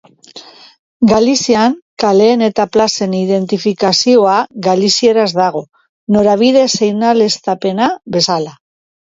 Galizian kaleen eta plazen identifikazioa galizieraz dago, norabide-seinaleztapena bezala.